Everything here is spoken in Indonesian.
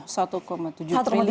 satu koma tujuh triliun